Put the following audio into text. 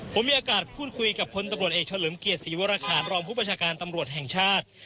ผมมีโอกาสพูดคุยกับพลตำรวจเอกเฉลิมเกียรติศรีวรคารรองผู้ประชาการตำรวจแห่งชาติ